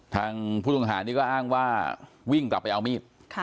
ทางผู้ต้องหานี่ก็อ้างว่าวิ่งกลับไปเอามีด